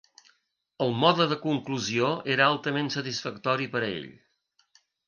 El mode de conclusió era altament satisfactori per a ell.